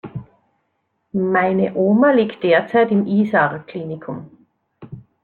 Meine Oma liegt derzeit im Isar Klinikum.